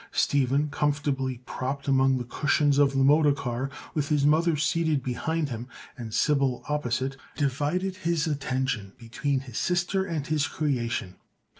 Stephen, comfortably propped among the cushions of the motor car with his mother seated behind him and Sybil opposite, divided his attention between his sister and his creation.